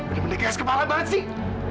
bener bener keras kepala banget sih